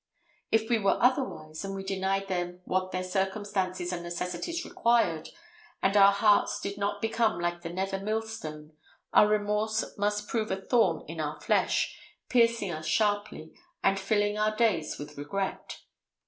If we were otherwise, and we denied them what their circumstances and necessities required, and our hearts did not become like the nether millstone, our remorse must prove a thorn in our flesh, piercing us sharply, and filling our days with regret.